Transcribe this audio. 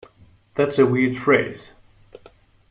That is a weird phrase.